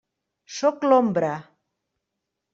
Sóc l'Ombra.